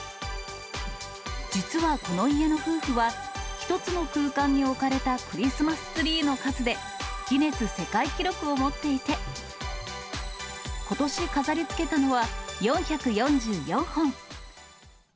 実はこの家の夫婦は、１つの空間に置かれたクリスマスツリーの数で、ギネス世界記録を持っていて、ことし飾りつけたのは４４４本。